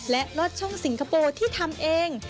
และลอดช่องสิงคโปร์ที่ทำเอง